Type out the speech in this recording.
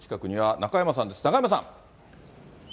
中山さん。